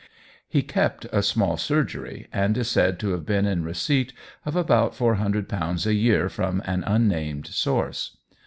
He kept a small surgery, and is said to have been in receipt of about £400 a year from an unnamed source.